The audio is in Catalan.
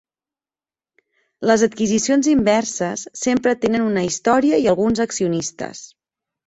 Les adquisicions inverses sempre tenen una història i alguns accionistes.